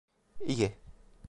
İyi!